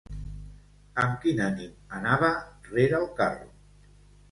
Amb quin ànim anava rere el carro?